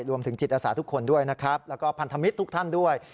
รวมถึงจิตอาสาทุกคนด้วยนะครับแล้วก็พันธมิตรทุกท่านด้วย